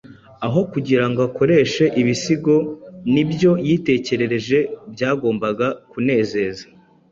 Aho kugira ngo akoreshe ibisigo n’ibyo yitekerereje byagombaga kunezeza